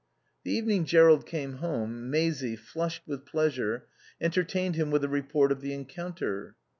The evening Jerrold came home, Maisie, flushed with pleasure, entertained him with a report of the encounter.